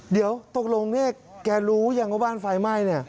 เดี๋ยวตกลงเนี่ยแกรู้ยังว่าบ้านไฟไหม้เนี่ย